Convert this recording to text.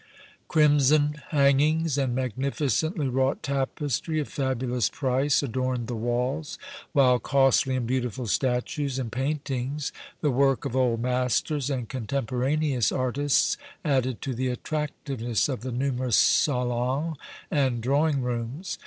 Crimson hangings and magnificently wrought tapestry of fabulous price adorned the walls, while costly and beautiful statues and paintings, the work of old masters and contemporaneous artists, added to the attractiveness of the numerous salons and drawing rooms.